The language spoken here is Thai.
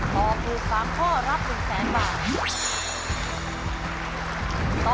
ตอบถูก๓ข้อรับ๑๐๐๐๐บาท